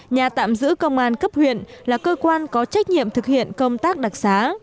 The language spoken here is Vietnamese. nhà tạm giữ công an cấp huyện là cơ quan có trách nhiệm thực hiện công tác đặc xá